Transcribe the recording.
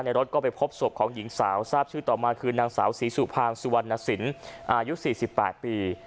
รถก็ไปพบศพของหญิงสาวทราบชื่อต่อมาคือนางสาวศรีสุภางสุวรรณสินอายุ๔๘ปี